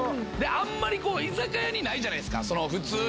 あんまり居酒屋にないじゃないですか。